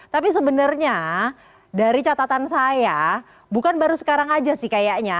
tapi sebenarnya dari catatan saya bukan baru sekarang aja sih kayaknya